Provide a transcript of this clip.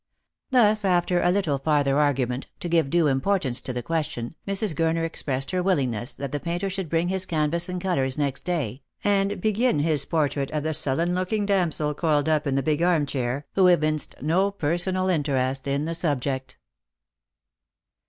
Thus, after a little farther argument, to give due importance to the question, Mrs. Gurner expressed her willingness that the painter should bring his canvas and colours next day, and begin his portrait of the sullen looking damsel coiled up in the big arm chair, who evinced no personal interest in the subject.